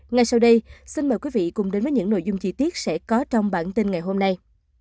ngay sau đây xin mời quý vị cùng đến với những nội dung chi tiết sẽ có trong bản tin ngày hôm nay